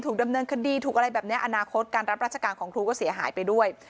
ดำเนินคดีถูกอะไรแบบนี้อนาคตการรับราชการของครูก็เสียหายไปด้วย